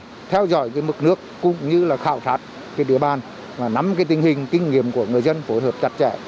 hôm nay theo dõi mực nước cũng như khảo sát địa bàn nắm tình hình kinh nghiệm của người dân phối hợp chặt chẽ